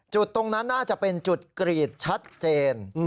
จุดตรงนั้นน่าจะเป็นจุดกรีดชัดเจน